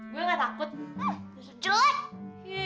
dia ngapain lagi begini aja mau ulang